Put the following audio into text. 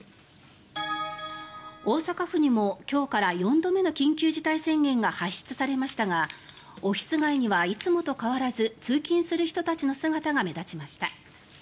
大阪府にも今日から４度目の緊急事態宣言が発出されましたがオフィス街にはいつもと変わらず通勤する人たちの姿が目立ちました。